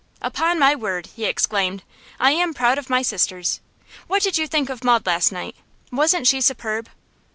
'Upon my word,' he exclaimed, 'I am proud of my sisters! What did you think of Maud last night? Wasn't she superb?